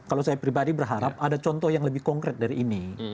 kalau saya pribadi berharap ada contoh yang lebih konkret dari ini